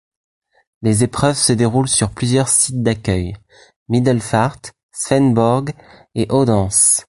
Les épreuves se déroulent sur plusieurs sites d'accueil, Middelfart, Svendborg et Odense.